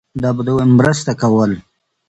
مرستې کولې.